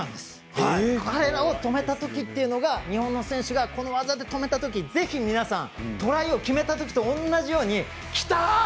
彼らを止めたときこの技で止めたとき、ぜひ皆さんトライを決めたときと同じようにきたー！